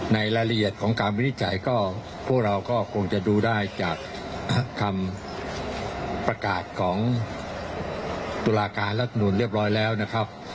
รายละเอียดของการวินิจฉัยก็พวกเราก็คงจะดูได้จากคำประกาศของตุลาการรัฐมนุนเรียบร้อยแล้วนะครับ